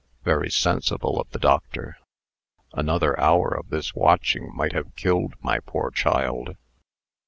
"Very sensible of the doctor. Another hour of this watching might have killed my poor child."